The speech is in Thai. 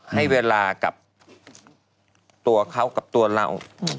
ให้เวลากับตัวเขากับตัวเรา